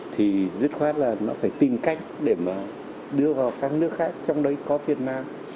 thì dứt khoát là nó phải tìm cách để mà đưa vào các nước khác trong đấy có việt nam